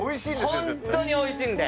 ホントにおいしいんで。